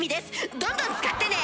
どんどん使ってね！